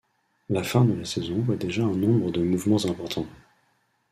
La fin de la saison voit déjà un nombre de mouvements important.